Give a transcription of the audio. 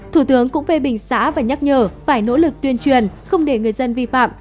thủ tướng cũng phê bình xã và nhắc nhở phải nỗ lực tuyên truyền không để người dân vi phạm